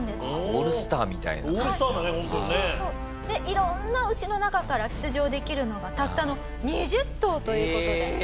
色んな牛の中から出場できるのがたったの２０頭という事で。